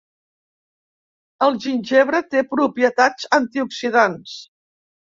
El gingebre té propietats antioxidants.